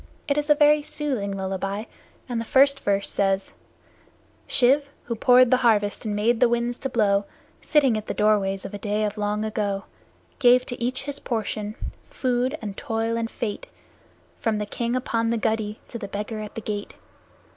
It is a very soothing lullaby, and the first verse says: Shiv, who poured the harvest and made the winds to blow, Sitting at the doorways of a day of long ago, Gave to each his portion, food and toil and fate, From the King upon the guddee to the Beggar at the gate.